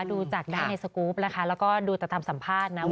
ดูจากในสกรูปแล้วก็ดูตามสัมภาษณ์